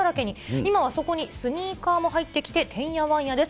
今はそこにスニーカーも入ってきて、てんやわんやです。